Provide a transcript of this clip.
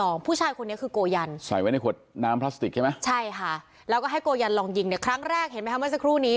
เพราะผู้ชายคนนี้คือกโกยันใส้ไว้ในน้ำพลาสติกใช่มั้ยใช่ค่ะแล้วก็ให้โกยันลองยิงเนี่ยครั้งแรกเห็นมั้ยครูนี้